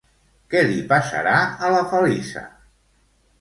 Què li passarà a la Feliça?